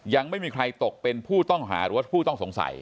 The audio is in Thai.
ยังไม่มีใครตกเป็นผู้ต้องหาหรือว่าผู้ต้องสงสัย